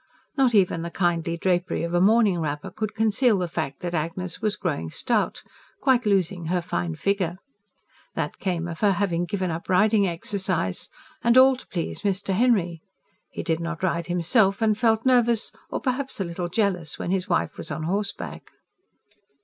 Not even the kindly drapery of a morning wrapper could conceal the fact that Agnes was growing stout quite losing her fine figure. That came of her having given up riding exercise. And all to please Mr. Henry. He did not ride himself, and felt nervous or perhaps a little jealous when his wife was on horseback.